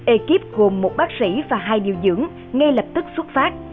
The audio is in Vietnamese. ekip gồm một bác sĩ và hai điều dưỡng ngay lập tức xuất phát